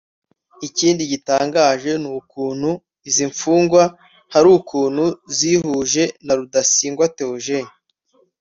ikindi gitangaje n’uukuntu izinfungwa hari ukuntu zihuje na Rudasingwa Theogene